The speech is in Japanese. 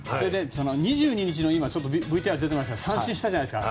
２２日のＶＴＲに出ていましたが三振したじゃないですか。